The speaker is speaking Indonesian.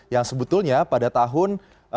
yang sebetulnya pada tahun